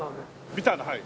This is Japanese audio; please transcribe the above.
ビターだはい。